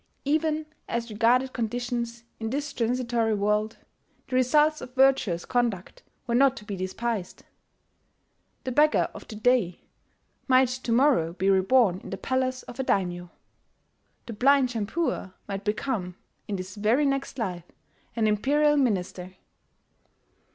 Even as regarded conditions in this transitory world, the results of virtuous conduct were not to be despised. The beggar of to day might to morrow be reborn in the palace of a daimyo; the blind shampooer might become, in his very next life, an imperial minister.